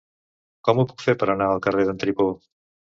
Com ho puc fer per anar al carrer d'en Tripó?